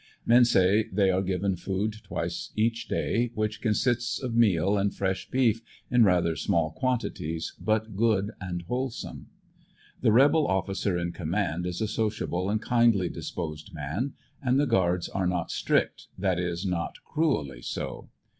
Men say they are given food twice each day, which consists of meal and fresh beef in rather small quantities, but good and whole some. The. rebel officer in command is a sociable and kindly disposed man, and the guards are not strict, that is, not cruelly so.